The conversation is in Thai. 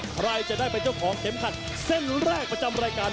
ใครจะได้เป็นเจ้าของเข็มขัดเส้นแรกประจำรายการ